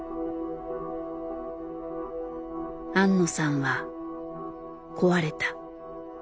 庵野さんは壊れた。